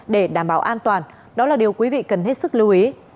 để đảm bảo an toàn đó là điều quý vị cần hết sức lưu ý